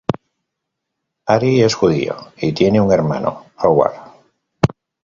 Ari es judío y tiene un hermano, Howard.